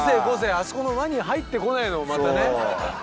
あそこの輪に入ってこないのもまたね。